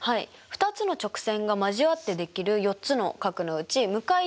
２つの直線が交わってできる４つの角のうち向かい合う角